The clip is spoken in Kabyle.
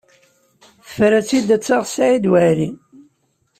Tefra-tt-id ad taɣ Saɛid Waɛli.